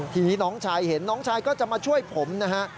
ทีนี้น้องชายเห็นน้องชายก็จะมาช่วยผมนะฮะ